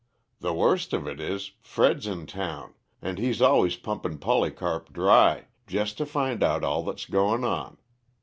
"The worst of it is, Fred's in town, and he's always pumpin' Polycarp dry, jest to find out all that's goin' on.